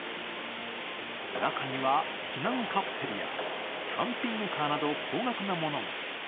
中には、避難カプセルやキャンピングカーなど高額なものも。